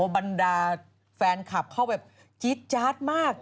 บรรดาแฟนคลับเข้าแบบจี๊ดจาดมาก